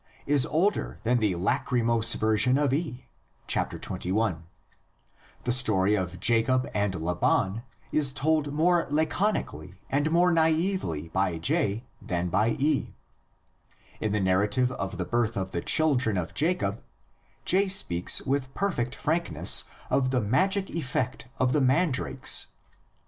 is older than the lachrymose version of E (xxi ); the story of Jacob and Laban is told more laconically and more naively by J than by E; in the narrative of the birth of the children of Jacob, J speaks with perfect frankness of the magic effect of the mandrakes (xxx.